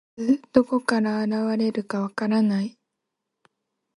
いつ、どこから現れるか分からない。